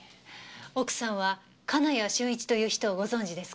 奥さんは金谷俊一という人をご存じですか？